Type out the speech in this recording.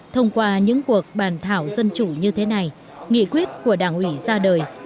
thông qua những cuộc bàn thảo dân chủ như thế này nghị quyết của đảng ủy ra đời